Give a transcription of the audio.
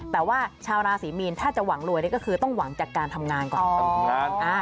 แต่ว่าชาวราศรีมีนถ้าจะหวังรวยนี่ก็คือต้องหวังจากการทำงานก่อน